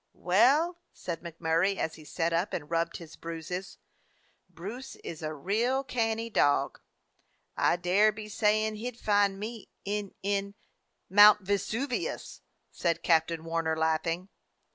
"Well," said MacMurray, as he sat up and rubbed his bruises, "Bruce is a real canny dog. I dare be saying he 'd find me in— in— " "Mount Vesuvius," said Captain Warner, laughing.